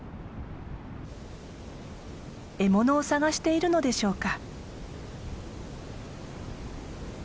獲物を探しているのでしょうか。